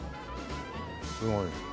すごい。